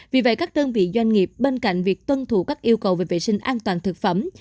vì vậy các đơn vị doanh nghiệp bên cạnh việc tuân thủ các yêu cầu về vệ sinh an toàn thực phẩm